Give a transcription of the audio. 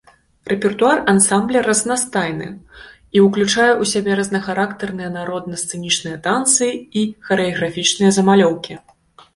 Рэпертуар ансамбля разнастайны, і ўключае ў сябе рознахарактарныя народна-сцэнічныя танцы і харэаграфічныя замалёўкі.